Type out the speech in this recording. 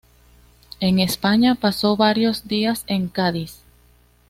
En España pasó varios días en Cádiz.